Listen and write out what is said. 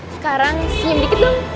sekarang senyum dikit dong